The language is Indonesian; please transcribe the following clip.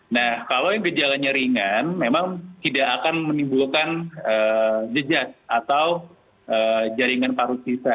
nah kalau yang gejalanya ringan memang tidak akan menimbulkan jejak atau jaringan paru sisa